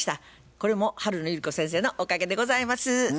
これも春野百合子先生のおかげでございます。